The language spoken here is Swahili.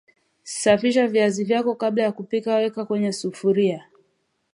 safisha viazi vyako kabla ya kupika weka kwenye sufuria